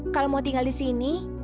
kalau mau tinggal di sini